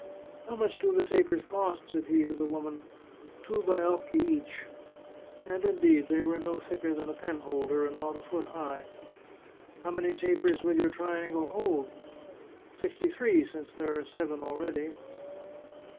" How much do the tapers cost ?" said he to the woman. " Two haiocchi each." And, indeed, they were no thicker than a penholder, and not a foot high. " How many tapers will your triangle hold ?"" Sixty three, since there are seven already."